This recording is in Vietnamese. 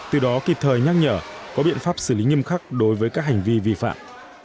từ đó kịp thời nhắc nhở có biện pháp xử lý nghiêm khắc đối với các hành vi vi phạm